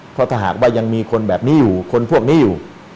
เพราะถ้าหากว่ายังมีคนแบบนี้อยู่คนพวกนี้อยู่